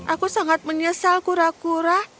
aku sangat menyesal kura kura